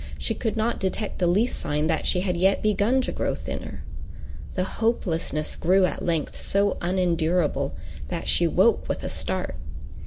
she could not detect the least sign that she had yet begun to grow thinner. The hopelessness grew at length so unendurable that she woke with a start.